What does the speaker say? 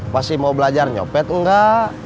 pasti mau belajar nyopet enggak